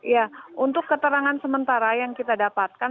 ya untuk keterangan sementara yang kita dapatkan